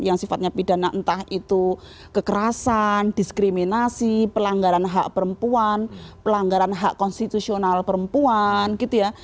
yang sifatnya pidana entah itu kekerasan diskriminasi pelanggaran hak perempuan pelanggaran hak konstitusional perempuan gitu ya